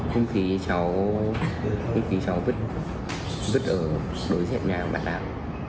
hung khí cháu vứt ở đối diện nhà của bạn nào